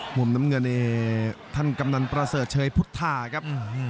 มุมน้ำเงินนี่ท่านกำนันประเสริฐเชยพุทธาครับ